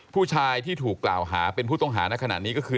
ผู้ชายที่ถูกกล่าวหาเป็นผู้ต้องหาในขณะนี้ก็คือ